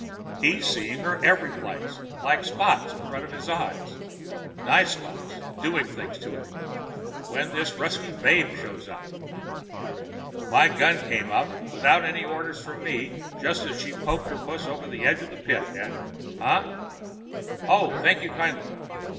He's seeing her every place like spots in front of his eyes nice spots doing things to him, when this Ruskie babe shows up. My gun came up without any orders from me just as she poked her puss over the edge of the pit, and huh? Oh, thank you kindly.